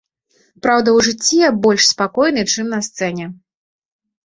Праўда, у жыцці я больш спакойны, чым на сцэне.